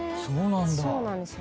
そうなんだ。